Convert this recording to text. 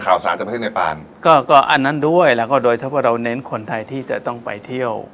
ข่าวสารจากประเทศเนปานก็ก็อันนั้นด้วยแล้วก็โดยเฉพาะเราเน้นคนไทยที่จะต้องไปเที่ยว